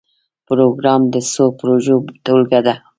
پروګرام د څو پروژو ټولګه ده